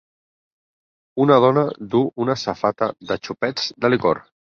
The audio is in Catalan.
Una dona duu una safata de xopets de licor.